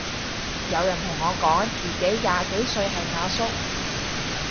有人同我講自己廿幾歲係阿叔